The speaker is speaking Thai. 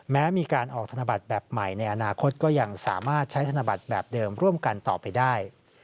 แม้มีการออกธนบัตรแบบใหม่ในอนาคตก็ยังสามารถใช้ธนบัตรแบบเดิมร่วมกันต่อไปได้